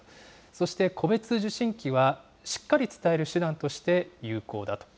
そして戸別受信機はしっかり伝える手段として有効だ。